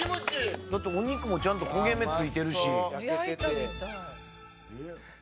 お肉もちゃんと焦げ目ついてるし。